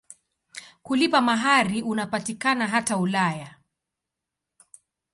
Kulipa mahari unapatikana hata Ulaya.